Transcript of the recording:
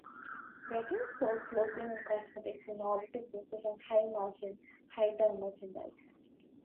Brettons sold clothing and cosmetics, in order to focus on high-margin, high-turn merchandise.